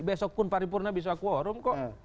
besok pun paripurna bisa quorum kok